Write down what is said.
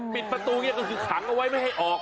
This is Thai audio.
ปิดประตูอย่างนี้ก็คือขังเอาไว้ไม่ให้ออก